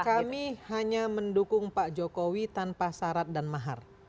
kami hanya mendukung pak jokowi tanpa syarat dan mahar